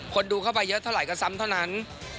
คนดูเข้าไปเยอะเท่าไหร่ก็ซ้ำเท่านั้น